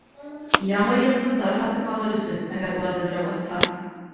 Яңы йондоҙҙар һатып алыр өсөн, әгәр уларҙы берәү асһа.